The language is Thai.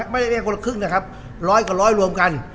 ไม่ใช่คนละครึ่งนะครับร้อยกับร้อยร่วมกัน